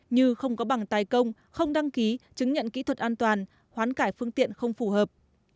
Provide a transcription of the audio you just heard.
như không có bằng tài công không đăng ký chứng nhận kỹ thuật an toàn hoán cải phương tiện không phù hợp